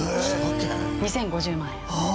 ２０５０万円。